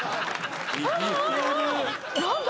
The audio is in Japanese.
何だ？